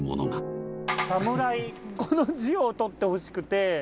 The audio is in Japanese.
この字を撮ってほしくて。